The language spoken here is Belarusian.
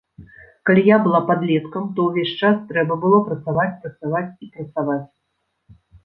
Калі я была падлеткам, то ўвесь час трэба было працаваць, працаваць і працаваць.